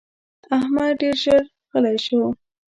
احمد ډېر ژر غلی شو.